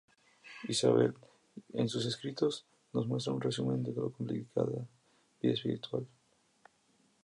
Isabel, en sus escritos, nos muestra un resumen de su complicada vida espiritual.